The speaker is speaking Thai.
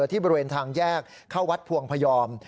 ที่บริเวณทางแยกเข้าวัดพวงพยอม